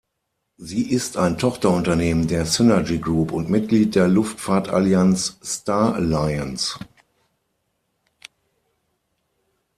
Sie ist ein Tochterunternehmen der Synergy Group und Mitglied der Luftfahrtallianz Star Alliance.